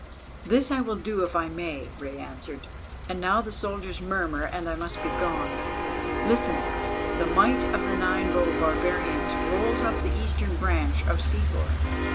"This I will do if I may," Rei answered. "And now the soldiers murmur and I must be gone. Listen, the might of the Nine bow barbarians rolls up the eastern branch of Sihor.